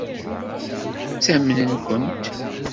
Ttamnen-kent.